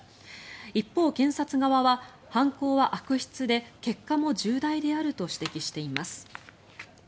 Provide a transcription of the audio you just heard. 一方、検察側は犯行は悪質で結果も重大であると指摘しています。